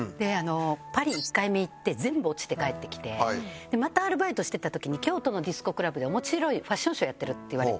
パリ１回目行って全部落ちて帰ってきてまたアルバイトしてた時に京都のディスコクラブで面白いファッションショーやってるって言われて。